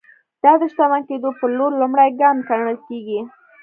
دا د شتمن کېدو پر لور لومړی ګام ګڼل کېږي.